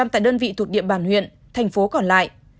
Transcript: năm tại đơn vị thuộc địa bàn huyện thành phố còn lại